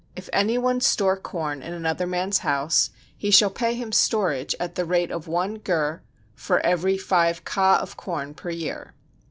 If any one store corn in another man's house he shall pay him storage at the rate of one gur for every five ka of corn per year.